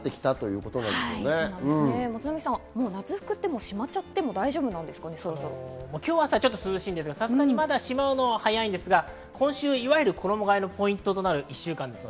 松並さん、もう夏服、しまっちゃってもいいんですかね。今日、朝は涼しいですが、さすがにしまうのは早いですが、今週衣替えのポイントとなる１週間です。